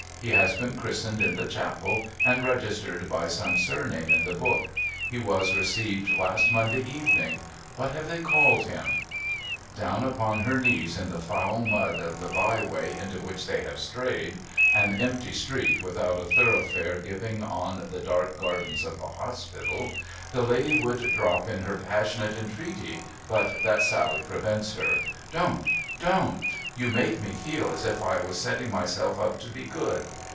He has been christened in the chapel, and registered by some surname in the book. He was received last Monday evening. What have they called him ?' Down upon her knees in the foul mud of the by way into which they have strayed— an empty street without a thoroughfare giving on the dark gardens of the Hospital— the lady would drop in her passionate entreaty, but that Sally prevents her. ' Don't ! Don't ! You make me feel as if I was setting myself up to be good.